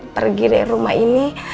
pergi dari rumah ini